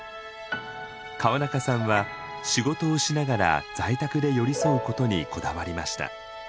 川中さんは仕事をしながら在宅で寄り添うことにこだわりました。